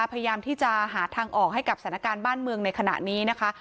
พยายามที่จะหาทางออกให้กับสถานการณ์บ้านเมืองในขณะนี้นะคะ